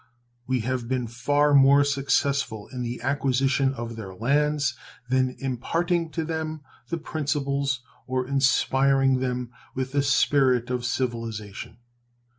We have been far more successful in the acquisition of their lands than in imparting to them the principles or inspiring them with the spirit of civilization.